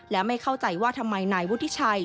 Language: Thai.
และไม่เข้าใจว่าทำไมนายวุฒิชัย